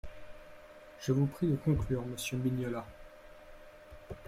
Je vous prie de conclure, monsieur Mignola.